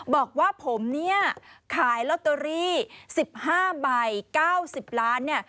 บอกว่าผมขายลอตเตอรี่๑๕ใบ๙๐ล้าน